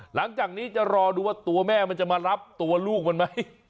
หลังจากนี้จะรอดูว่าตัวแม่มันจะมารับตัวลูกมันไหม